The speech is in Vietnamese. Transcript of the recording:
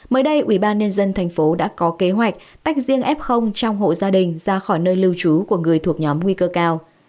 mới đây ubnd tp hcm đã có kế hoạch tách riêng f trong hộ gia đình ra khỏi nơi lưu trú của người thuộc nhóm nguy cơ cao